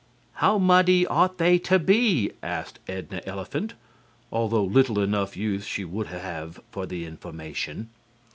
"How muddy ought they to be?" asked Edna Elephant, although little enough use she would have for the information.